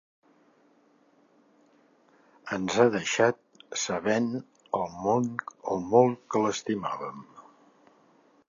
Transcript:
Ens ha deixat sabent el molt que l’estimàvem.